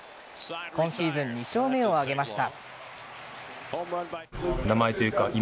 今シーズン２勝目を挙げました。